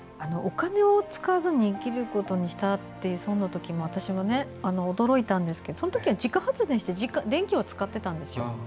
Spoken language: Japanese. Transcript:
お金を使わずに生きることにしたという本を読んだときも私は驚いたんですけどそのときは自家発電して電気は使っていたんですよ。